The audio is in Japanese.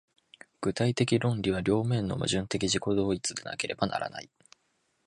具体的論理は両面の矛盾的自己同一でなければならない。